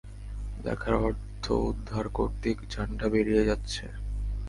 লেখার অর্থ উদ্ধার করতেই জানটা বেরিয়ে যাচ্ছে!